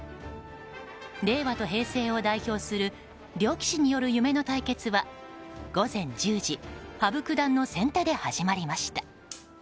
令和と平成を代表する両棋士による夢の対決は午前１０時、羽生九段の先手で始まりました。